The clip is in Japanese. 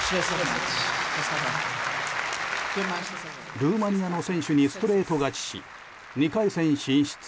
ルーマニアの選手にストレート勝ちし２回戦進出。